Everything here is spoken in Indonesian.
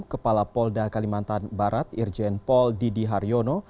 kepala polda kalimantan barat irjen paul didi haryono